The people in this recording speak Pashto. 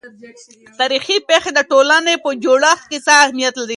تاريخي پېښې د ټولنې په جوړښت کې څه اهمیت لري؟